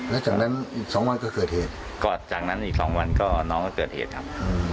แล้วจากนั้นอีก๒วันก็เกิดเหตุก็จากนั้นอีก๒วันก็น้องก็เกิดเหตุครับ